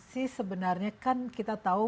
sih sebenarnya kan kita tahu